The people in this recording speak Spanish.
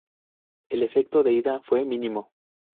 El efecto de Ida fue mínimo.